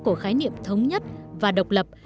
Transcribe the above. của khái niệm thống nhất và độc lập